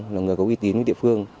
là người có uy tín ở địa phương